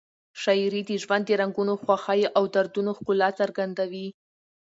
شاعري د ژوند د رنګونو، خوښیو او دردونو ښکلا څرګندوي.